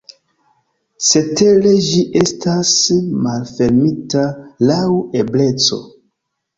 Cetere ĝi estas malfermita laŭ ebleco.